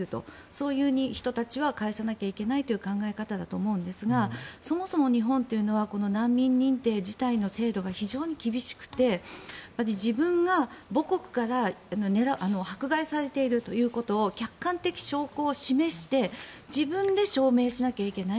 そういう人たちは帰さなきゃいけないという考え方だと思うんですがそもそも日本というのは難民認定自体の制度が非常に厳しくて自分が母国から迫害されているということを客観的証拠を示して自分で証明しなきゃいけない。